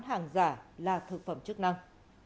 hàng giả là thực phẩm chức năng